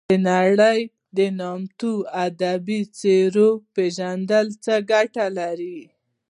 د نړۍ د نامتو ادبي څیرو پېژندل څه ګټه لري.